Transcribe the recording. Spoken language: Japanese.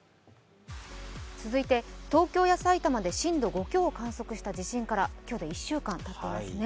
続いて東京や埼玉で震度５強を観測した地震から今日で１週間がたっていますね。